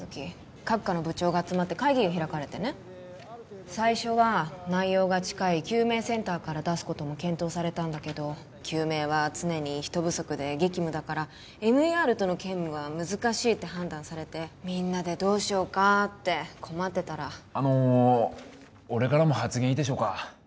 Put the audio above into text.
各科の部長が集まって会議が開かれてね最初は内容が近い救命センターから出すことも検討されたんだけど救命は常に人不足で激務だから ＭＥＲ との兼務は難しいって判断されてみんなでどうしようかって困ってたらあの俺からも発言いいでしょうか？